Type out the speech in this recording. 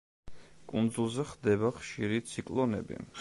კუნძულზე ხდება ხშირი ციკლონები.